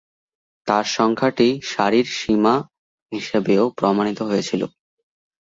তাঁর সংখ্যাটি সারির সীমা হিসাবেও প্রমাণিত হয়েছিল।